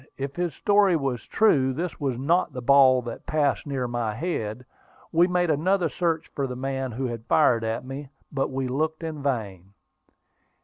If his story was true, this was not the ball that passed near my head. We made another search for the man who had fired at me, but we looked in vain.